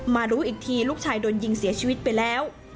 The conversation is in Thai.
รู้อีกทีลูกชายโดนยิงเสียชีวิตไปแล้ว